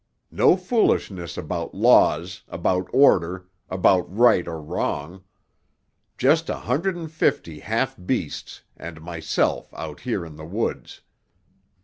No foolishness about laws, about order, about right or wrong. Just a hundred and fifty half beasts and myself out here in the woods.